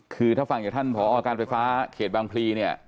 คือถ้าฟังจากท่านผอการไฟฟ้าเขตบางพลีเนี่ย